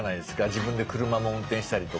自分で車も運転したりとか。